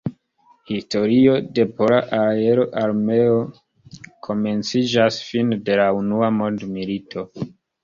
Historio de Pola Aer-Armeo komenciĝas fine de la unua mondmilito.